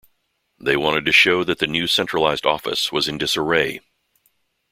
They wanted to show that the new centralized office was in disarray.